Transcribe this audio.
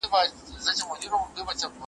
یوه ورځ ګورې چي ولاړ سي له جهانه ,